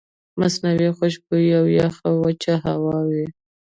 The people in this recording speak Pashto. مصنوعي خوشبويئ او يخه وچه هوا وي